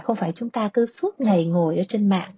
không phải chúng ta cứ suốt ngày ngồi ở trên mạng